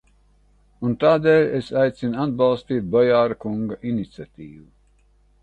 Un tādēļ es aicinu atbalstīt Bojāra kunga iniciatīvu.